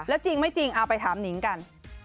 แล้วจริงไม่จริงเอาไปถามนิงกัน